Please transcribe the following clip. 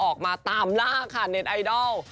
ออกมาตามล่าค่ะเน็ตไอดอล